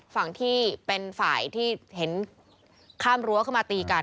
ฝั่งที่เป็นฝ่ายที่เห็นข้ามรั้วเข้ามาตีกัน